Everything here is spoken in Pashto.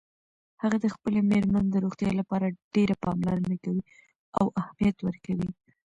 هغه د خپلې میرمن د روغتیا لپاره ډېره پاملرنه کوي او اهمیت ورکوي